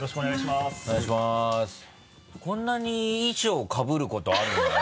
こんなに衣装かぶることあるんだね。